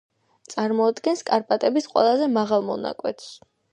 წარმოადგენს კარპატების ყველაზე მაღალ მონაკვეთს.